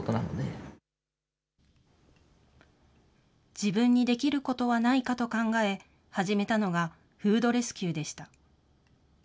自分にできることはないかと考え、始めたのがフードレスキューでした。